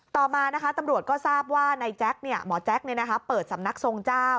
ต่อมาตำรวจก็ทราบว่าหมอแจ็คเปิดสำนักทรงเจ้า